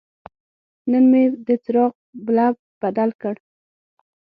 نن مې د څراغ بلب بدل کړ.